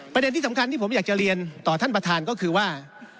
ประเด็นที่สำคัญที่ผมอยากจะเรียนต่อท่านประธานก็คือว่า